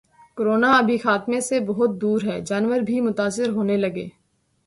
’corona ابھی خاتمے سے بہت دور ہے‘ جانور بھی متاثر ہونے لگے